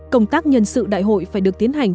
công tác nhân sự đại hội phải được tiến hành